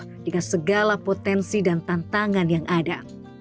dan juga berpengalaman dengan kemampuan yang ada